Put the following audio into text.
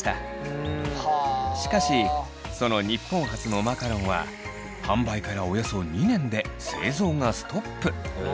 しかしその日本初のマカロンは販売からおよそ２年で製造がストップ。